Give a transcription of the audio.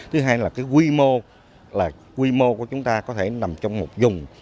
thứ hai là quy mô của chúng ta có thể nằm trong một dùng